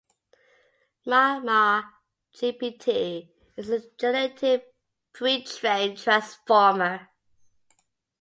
Myanmar gpt is a generative pretrained transformer